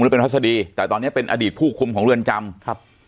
เป็นพัศดีแต่ตอนนี้เป็นอดีตผู้คุมของเรือนจำครับ